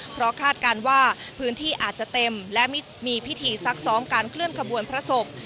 เพราะคาดการณ์ว่าพื้นที่อาจจะเต็มและมีพิธีซักซ้อมการเคลื่อนขบวนพระศพ